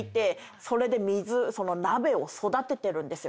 それで水鍋を育ててるんですよ。